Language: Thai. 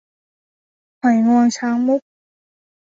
หอยงวงช้างมุก